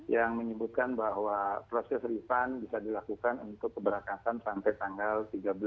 yang menyebutkan bahwa proses refund bisa dilakukan untuk keberangkatan sampai tanggal tiga belas